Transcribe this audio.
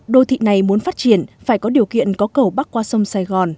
đô thị này muốn phát triển phải có điều kiện có cầu bắc qua sông sài gòn